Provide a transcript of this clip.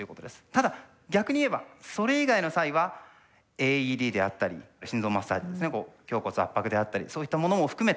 ただ逆に言えばそれ以外の際はＡＥＤであったり心臓マッサージですね胸骨圧迫であったりそういったものも含めて。